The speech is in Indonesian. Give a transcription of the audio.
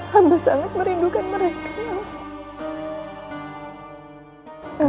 hamba sangat merindukan mereka ya allah